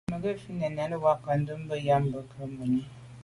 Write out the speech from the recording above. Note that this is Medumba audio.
Mə́ gə̀ fít nə̀ nɛ̌n wákà ndɛ̂mbə̄ yɑ̀mə́ má gə̀ rə̌ mòní.